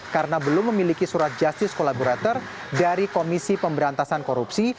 karena belum memiliki surat justice collaborator dari komisi pemberantasan korupsi